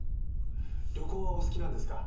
旅行はお好きなんですか？